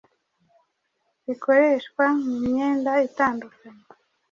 rikoreshwa mu myenda itandukanye